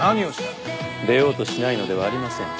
出ようとしないのではありません。